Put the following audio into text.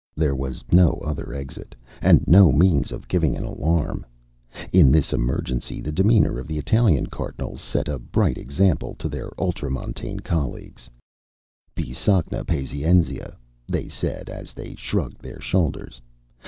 There was no other exit, and no means of giving an alarm. In this emergency the demeanour of the Italian Cardinals set a bright example to their ultramontane colleagues. "Bisogna pazienzia," they said, as they shrugged their shoulders.